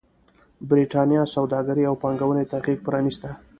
برېټانیا سوداګرۍ او پانګونې ته غېږ پرانېسته.